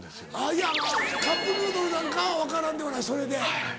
いやカップヌードルなんかは分からんではないそれで。